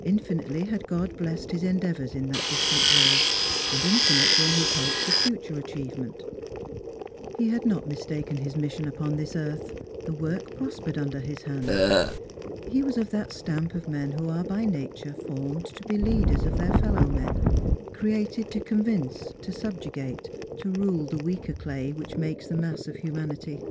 Infinitely had God blest his endeavours in that distant world, and infinite were his hopes of future achievement. He had not mistaken his mission upon this earth ; tlie work prospered under his hand. He was of that stamp of men who are by nature formed to be leaders of their fellow men ; created to convince, to subjugate, to rule the weaker clay which makes the mass of humanity.